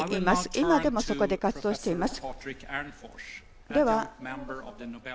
今でもそこで活動しています。